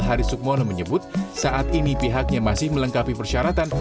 hari sukmono menyebut saat ini pihaknya masih melengkapi persyaratan